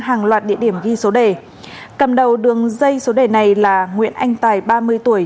hàng loạt địa điểm ghi số đề cầm đầu đường dây số đề này là nguyễn anh tài ba mươi tuổi